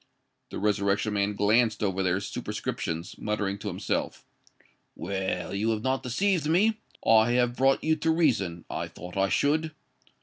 The Resurrection Man glanced over their superscriptions, muttering to himself, "Well, you have not deceived me: I have brought you to reason—I thought I should.